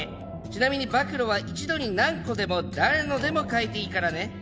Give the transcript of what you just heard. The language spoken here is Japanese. ちなみに暴露は一度に何個でも誰のでも書いていいからね。